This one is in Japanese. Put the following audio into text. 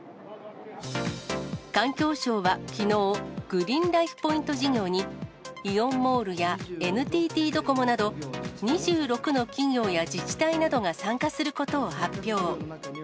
環境省はきのう、グリーンライフ・ポイント事業に、イオンモールやＮＴＴドコモなど、２６の企業や自治体などが参加することを発表。